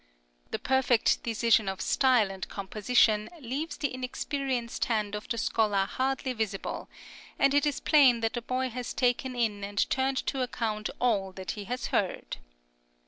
The perfect decision of style and composition leaves the inexperienced hand of the scholar hardly visible, and it is plain that the boy has taken in and turned to account all that he has heard.